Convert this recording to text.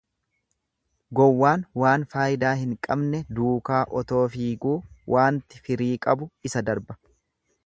Gowwaan waan faayidaa hin qabne duukaa otoo fiiguu waanti firii qabu isa darba.